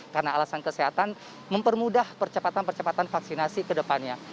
karena alasan kesehatan mempermudah percepatan percepatan vaksinasi kedepannya